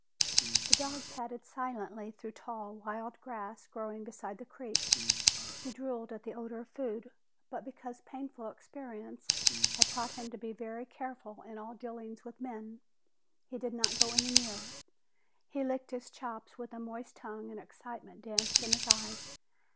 The dog padded silently through tall, wild grass growing beside the creek. He drooled at the odor of food, but because painful experience had taught him to be very careful in all dealings with men, he did not go any nearer. He licked his chops with a moist tongue and excitement danced in his eyes.